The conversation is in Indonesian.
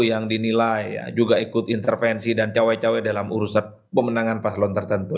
yang dinilai juga ikut intervensi dan cawe cawe dalam urusan pemenangan paslon tertentu